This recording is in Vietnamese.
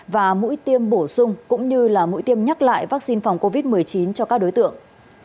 và mũi tiêm bổ sung cũng như là mũi tiêm nhắc lại vaccine phòng covid một mươi chín cho các đối tượng